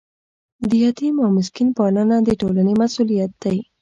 د یتیم او مسکین پالنه د ټولنې مسؤلیت دی.